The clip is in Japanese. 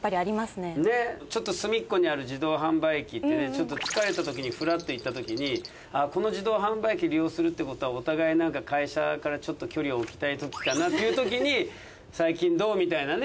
ねっちょっと隅っこにある自動販売機ってねちょっと疲れたときにフラッと行ったときにこの自動販売機利用するってことはお互いなんか会社からちょっと距離を置きたいときかなっていうときに「最近どう？」みたいなね。